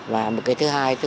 và một cái thứ hai